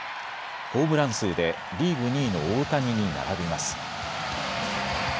ホームラン数でリーグ２位の大谷に並びます。